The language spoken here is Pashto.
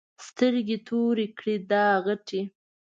سترګې تورې کړه دا غټې.